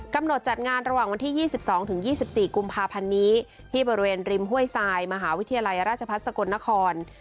จัดงานระหว่างวันที่๒๒๒๔กุมภาพันธ์นี้ที่บริเวณริมห้วยทรายมหาวิทยาลัยราชพัฒน์สกลนคร